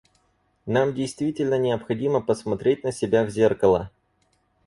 Нам действительно необходимо посмотреть на себя в зеркало.